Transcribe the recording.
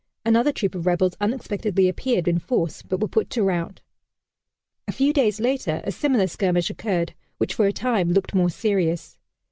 Another troop of rebels unexpectedly appeared in force, but were put to rout. A few days later, a similar skirmish occurred, which for a time looked more serious.